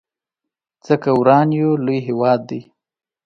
څه که وران يو لوی هيواد دی